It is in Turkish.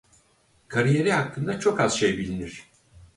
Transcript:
Kariyeri hakkında çok az şey bilinir.